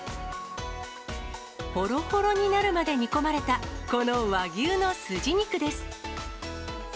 ほろほろになるまで煮込まれたこの和牛のすじ肉です。